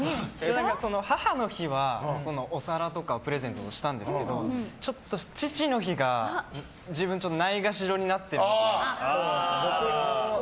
母の日は、お皿とかをプレゼントしたんですけどちょっと、父の日が自分ないがしろになってる部分が。